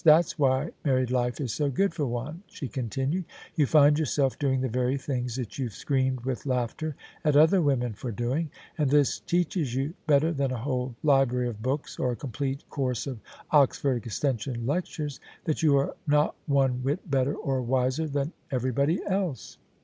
" That's why married life is so good for one," she continued :" you find yourself doing the very things that you've screamed with laughter at other women for doing: and this teaches you, better than a whole library of books or a complete course of Oxford Extension lectures, that you are not one whit better or wiser than everybody else."